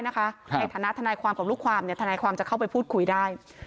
ในฐานะทนายความกับลูกความทนายความจะเข้าไปพูดคุยได้